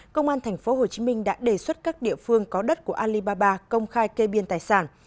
công an tp hcm đã đề xuất các địa phương có đất của alibaba công khai kê biên tài sản